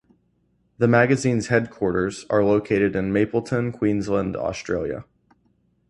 The magazine's headquarters are located in Mapleton, Queensland, Australia.